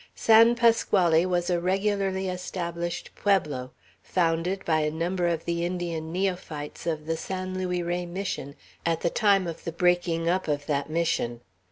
San Pasquale was a regularly established pueblo, founded by a number of the Indian neophytes of the San Luis Rey Mission at the time of the breaking up of that Mission.